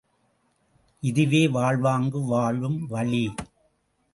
இதுவே வாழ்வாங்கு வாழும் வழி!